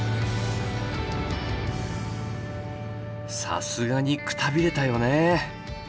さすがにくたびれたよね。